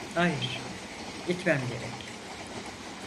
Hayır, gitmem gerek.